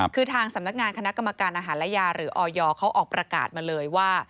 คือทางสำนักงานคณะกรรมการอาหารและยาหรือออยเขาออกประกาศมาเลยว่า